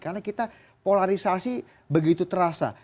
karena kita polarisasi begitu terasa